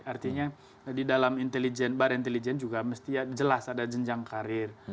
artinya di dalam badan intelijen juga mesti jelas ada jenjang karir